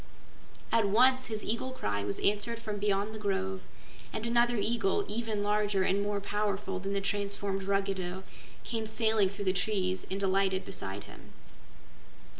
At once his eagle cry was answered from beyond the grove, and another eagle, even larger and more powerful than the transformed Ruggedo, came sailing through the trees and alighted beside him.